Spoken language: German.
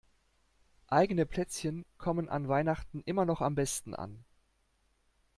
Eigene Plätzchen kommen an Weihnachten immer noch am besten an.